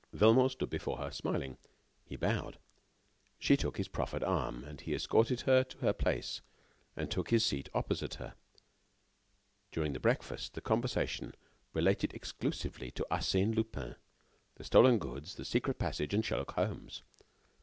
Velmont stood before her, smiling. He bowed. She took his proffered arm. He escorted her to her place, and took his seat opposite her. During the breakfast, the conversation related exclusively to Arsène Lupin, the stolen goods, the secret passage, and Sherlock Holmes.